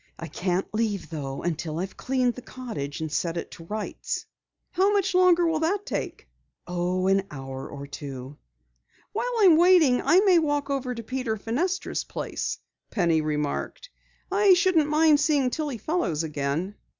"I can't leave, though, until I've cleaned the cottage and set it to rights." "How much longer will it take?" "Oh, an hour or two." "While I am waiting I may walk over to Peter Fenestra's place," Penny remarked. "I shouldn't mind seeing Tillie Fellows again."